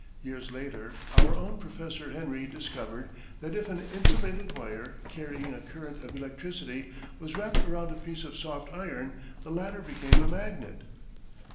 Years later, our own Professor Henry discovered that if an insulated wire carrying a current of electricity was wrapped around a piece of soft iron, the latter became a magnet.